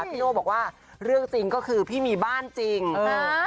พี่โน่บอกว่าเรื่องจริงก็คือพี่มีบ้านจริงเออ